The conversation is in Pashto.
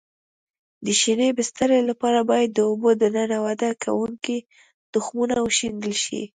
د شینې بسترې لپاره باید د اوبو دننه وده کوونکو تخمونه وشیندل شي.